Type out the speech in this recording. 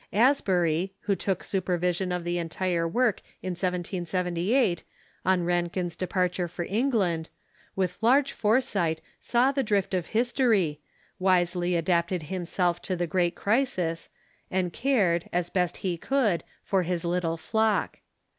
Asbury, who took supervision of the entire work in 1778, on Rankin's departure for England, with large foresight saw the drift of history, wisely adapted himself to the great crisis, and cared, as best he could, for his little flock.